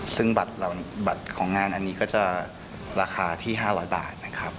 ซึ่งบัตรของงานอันนี้ก็จะราคาที่๕๐๐บาทนะครับ